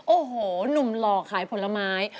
โอ้โหหนุ่มหล่อขายผลไม้